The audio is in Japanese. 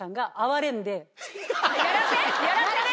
やらせで？